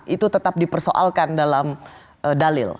itu tetap dipersoalkan dalam dalil